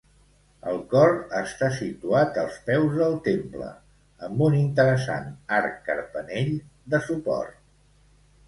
El cor està situat als peus del temple, amb un interessant arc carpanell de suport.